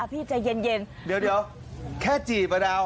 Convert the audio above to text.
พี่ใจเย็นเดี๋ยวแค่จีบะเดา